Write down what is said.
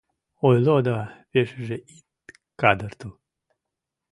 — Ойло да пешыже ит кадыртыл!